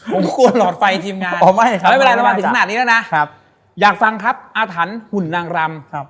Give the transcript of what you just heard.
ผมกลัวหลอดไฟทีมงานเดี๋ยวถ้าไม่เป็นระวังสิ้นนานนี้ด้วยนะอยากฟังครับอาถันหุ่นนางรำ